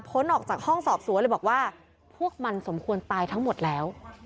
ออกจากห้องสอบสวนเลยบอกว่าพวกมันสมควรตายทั้งหมดแล้ว